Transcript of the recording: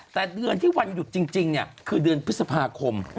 แต่เดือนที่วันหยุดจริงเนี่ยคือเดือนพฤษภาคม